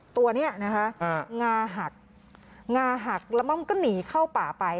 ตัวนี้นะคะงาหักงาหักแล้วม่อมก็หนีเข้าป่าไป